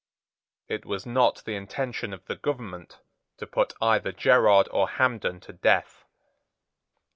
It was not the intention of the government to put either Gerard or Hampden to death.